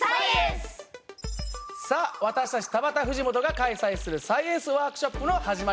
さあ私たち田畑藤本が開催するサイエンスワークショップの始まりです。